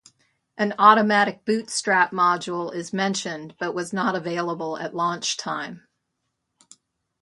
An Automatic Bootstrap Module is mentioned but was not available at launch time.